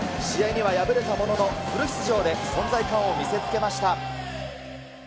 試合には敗れたものの、フル出場で存在感を見せつけました。